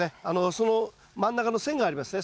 その真ん中の線がありますね。